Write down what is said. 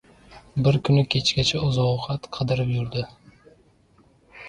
Bir kuni kechgacha oziq-ovqat qidirib yurdi.